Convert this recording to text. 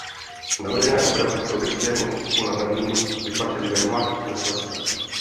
Navržené operace k sovětskému postupu na Berlín vytlačily Wehrmacht ze Slezska.